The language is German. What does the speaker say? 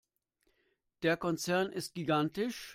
Der Konzern ist gigantisch.